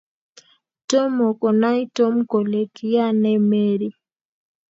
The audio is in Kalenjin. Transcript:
Tomo konay Tom kole kiya nee Mary